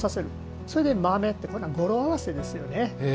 それで「マメ」って語呂合わせですよね。